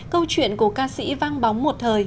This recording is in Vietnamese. câu chuyện của ca sĩ vang bóng một thời